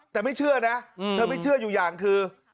แต่ไม่เชื่อนะเธอไม่เชื่ออยู่อย่างคือ